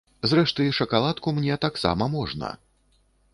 Зрэшты, шакаладку мне таксама можна!